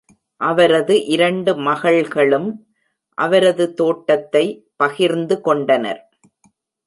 அவரது இரண்டு மகள்களும் அவரது தோட்டத்தை பகிர்ந்து கொண்டனர்.